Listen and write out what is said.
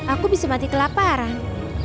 aku bisa mati kelaparan